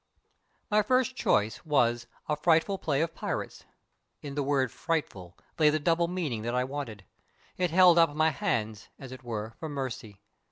My first choice was A Frightful Play of Pirates. In the word frightful lay the double meaning that I wanted. It held up my hands, as it were, for mercy.